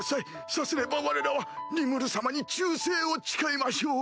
さすればわれらはリムル様に忠誠を誓いましょう！